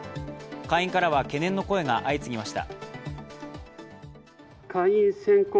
会員からは懸念の声が相次ぎました。